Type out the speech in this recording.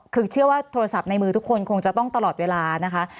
คือเชื่อว่าโทรศัพท์ในมือทุกคนคงจะต้องตลอดเวลานะคะ